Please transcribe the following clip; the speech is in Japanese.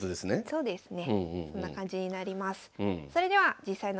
そうですね。